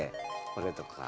これとか。